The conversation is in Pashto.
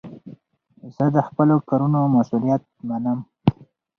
زه د خپلو کارونو مسئولیت منم.